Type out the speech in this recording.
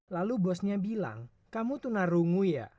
lalu bosnya bilang kamu tunarungu ya